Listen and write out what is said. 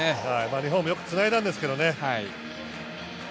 日本もよくつないだんですけどね。